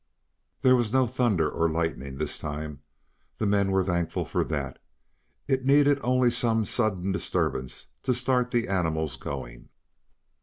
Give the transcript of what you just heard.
There was no thunder or lightning this time. The men were thankful for that; it needed only some sudden disturbance to start the animals going.